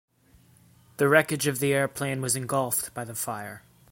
The wreckage of the airplane was engulfed by the fire.